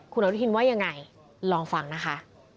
คุณอนุทินว่ายังไงลองฟังนะคะ